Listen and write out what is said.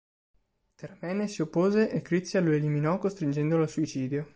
Teramene si oppose e Crizia lo eliminò costringendolo al suicidio.